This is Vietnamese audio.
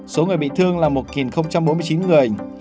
số người bị thương là một bốn mươi chín người